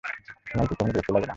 তোমার কি কখনো বিরক্তি লাগে না?